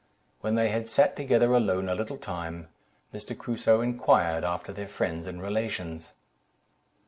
When they had sat together alone a little time, Mr. Crusoe inquired after their friends and relations.